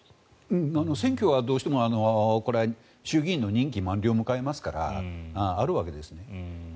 選挙はどうしても衆議院の任期満了を迎えますからあるわけですね。